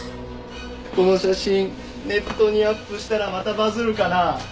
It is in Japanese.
この写真ネットにアップしたらまたバズるかな？